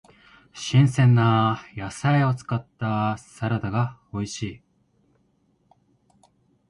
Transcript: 新鮮な野菜を使ったサラダが美味しい。